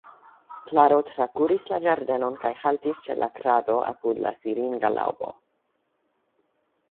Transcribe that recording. Klaro trakuris la ĝardenon kaj haltis ĉe la krado apud la siringa laŭbo.